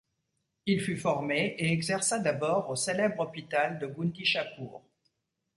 Il fut formé et exerça d'abord au célèbre hôpital de Gundishapur.